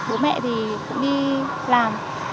bố mẹ thì cũng đi làm